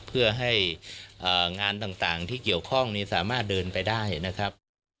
เพื่อให้งานต่างที่เกี่ยวข้องนี้สามารถเดินไปได้นะครับ